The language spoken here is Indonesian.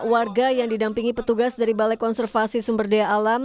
warga yang didampingi petugas dari balai konservasi sumber daya alam